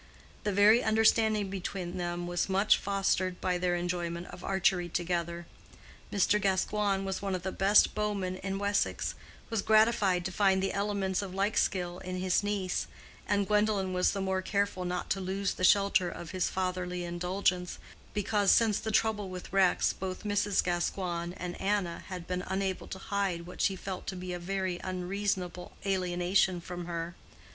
The good understanding between them was much fostered by their enjoyment of archery together: Mr. Gascoigne, as one of the best bowmen in Wessex, was gratified to find the elements of like skill in his niece; and Gwendolen was the more careful not to lose the shelter of his fatherly indulgence, because since the trouble with Rex both Mrs. Gascoigne and Anna had been unable to hide what she felt to be a very unreasonable alienation from her.